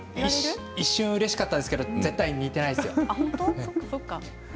一瞬うれしかったですけれども絶対に似ていないです。